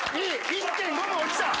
１．５も落ちた。